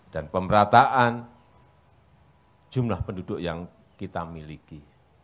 dan pemerataan jumlah penduduk yang kita miliki